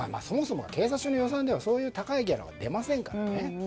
そもそもは警察署の予算ではそういう高いギャラは出ませんからね。